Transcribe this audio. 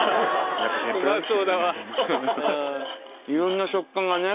いろんな食感がね